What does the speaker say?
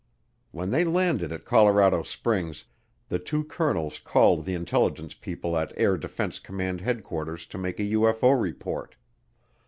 When they landed at Colorado Springs, the two colonels called the intelligence people at Air Defense Command Headquarters to make a UFO report.